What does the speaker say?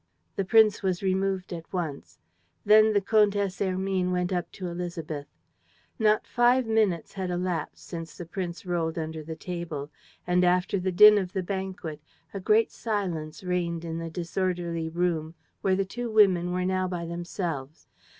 The prince was removed at once. Then the Comtesse Hermine went up to Élisabeth. Not five minutes had elapsed since the prince rolled under the table; and, after the din of the banquet, a great silence reigned in the disorderly room where the two women were now by themselves.